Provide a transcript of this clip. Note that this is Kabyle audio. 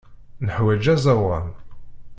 Neḥwaǧ aẓawan.